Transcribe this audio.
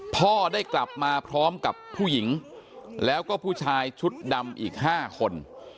พ่อได้กลับมาพร้อมกับผู้หญิงแล้วก็ผู้ชายชุดดำอีก๕คน